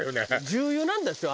重油なんでしょ？